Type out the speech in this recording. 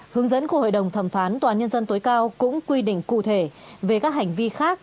hướng dẫn của hội đồng thẩm phán tòa án nhân dân tối cao cũng quy định cụ thể về các hành vi khác